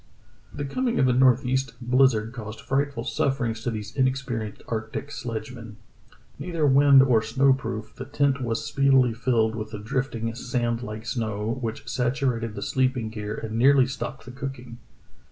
The coming of a northeast blizzard caused fright ful sufferings to these inexperienced arctic sledgemen. Neither wind or snow proof, the tent was speedily filled with the drifting, sand like snow, which satu rated the sleeping gear and nearly stopped the cooking.